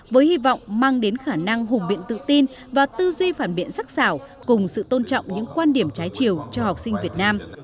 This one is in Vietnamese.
với hy vọng mang đến khả năng hùng biện tự tin và tư duy phản biện sắc xảo cùng sự tôn trọng những quan điểm trái chiều cho học sinh việt nam